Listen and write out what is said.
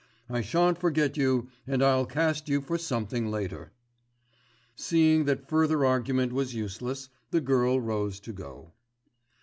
I shan't forget you and I'll cast you for something later. Seeing that further argument was useless the girl rose to go.